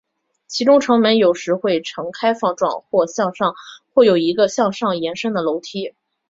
其中城门有时会呈开放状或有一个向上延伸的楼梯。